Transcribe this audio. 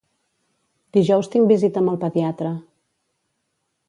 Dijous tinc visita amb el pediatre.